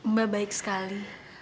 mbak baik sekali